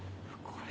これ！